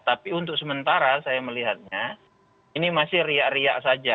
tapi untuk sementara saya melihatnya ini masih riak riak saja